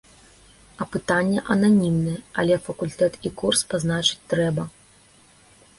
Апытанне ананімнае, але факультэт і курс пазначыць трэба.